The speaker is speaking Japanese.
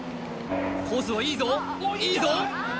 コースはいいぞいいぞ！